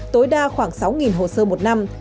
tối đa khoảng sáu hồ sơ một năm